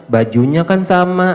bajunya kan sama